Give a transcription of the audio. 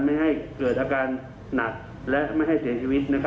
ไม่ให้เกิดอาการหนักและไม่ให้เสียชีวิต